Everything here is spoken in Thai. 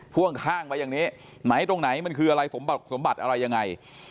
พ่วงข้างไปอย่างนี้ไหนตรงไหนมันคืออะไรสมบัติอะไรยังไง